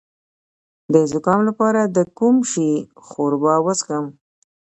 د زکام لپاره د کوم شي ښوروا وڅښم؟